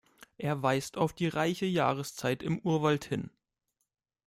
Er weist auf die reiche Jahreszeit im Urwald hin.